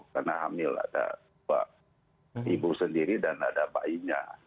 karena hamil ada ibu sendiri dan ada bayinya